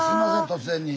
突然に。